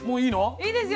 いいですよ。